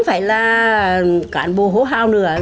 đây là cản bộ hố hào nữa